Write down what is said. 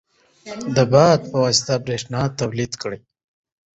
د باد په واسطه برېښنا تولید کړئ.